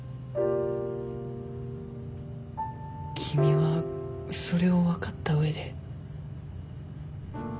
君はそれを分かった上で。